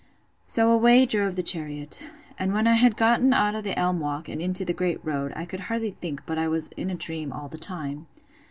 So away drove the chariot!—And when I had got out of the elm walk, and into the great road, I could hardly think but I was in a dream all the time.